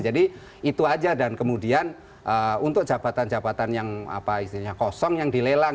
jadi itu aja dan kemudian untuk jabatan jabatan yang apa istilahnya kosong yang dilelang